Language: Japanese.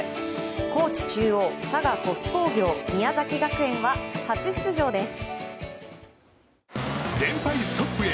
高知中央、佐賀・鳥栖工業宮崎学園は初出場です。